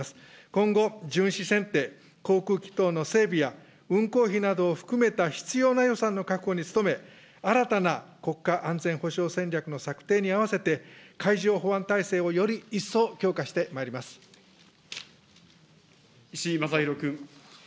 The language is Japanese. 今後、巡視船艇、航空機等の整備や運航費などを含めた必要な予算の確保に努め、新たな国家安全保障戦略の策定にあわせて、海上保安体制をより一石井正弘君。